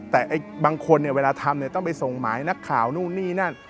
แต่บางคนเนี่ยเวลาทำต้องไปส่งหมายนักข่าวนู่นนี่นั่น